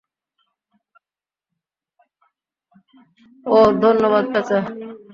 ওহ, ধন্যবাদ পেঁচা!